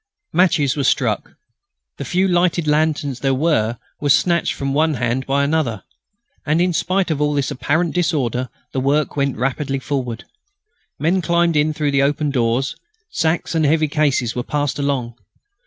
Matches were struck. The few lighted lanterns there were were snatched from one hand by another. And in spite of all this apparent disorder the work went rapidly forward. Men climbed in through the open doors. Sacks and heavy cases were passed along.